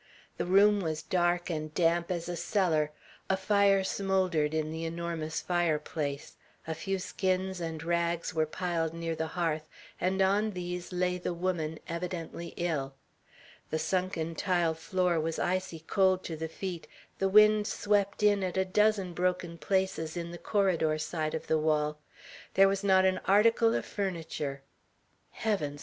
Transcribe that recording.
The room was dark and damp as a cellar; a fire smouldered in the enormous fireplace; a few skins and rags were piled near the hearth, and on these lay the woman, evidently ill. The sunken tile floor was icy cold to the feet; the wind swept in at a dozen broken places in the corridor side of the wall; there was not an article of furniture. "Heavens!"